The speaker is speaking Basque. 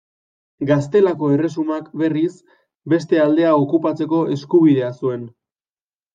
Gaztelako Erresumak, berriz, beste aldea okupatzeko eskubidea zuen.